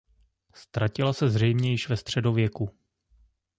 Ztratila se zřejmě již ve středověku.